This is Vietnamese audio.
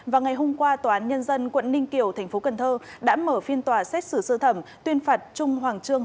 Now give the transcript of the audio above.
vào ngày hôm qua tòa án nhân dân quận ninh kiều tp cần thơ đã mở phiên tòa xét xử sư thẩm tuyên phạt trung hoàng trương